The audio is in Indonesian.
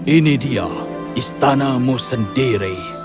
ini dia istanamu sendiri